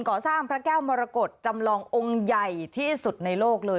ก่อสร้างพระแก้วมรกฤตจำลององค์ใหญ่ที่สุดในโลกเลย